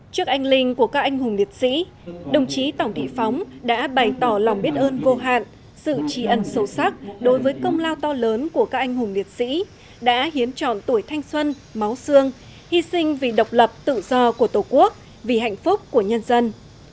trước anh linh của các anh hùng liệt sĩ đồng chí tổng thị phóng đã bày tỏ lòng biết ơn vô hạn sự tri ân sâu sắc đối với công lao to lớn của các anh hùng liệt sĩ đã hiến trọn tuổi thanh xuân máu xương hy sinh vì độc lập tự do của tổ quốc vì hạnh phúc của nhân dân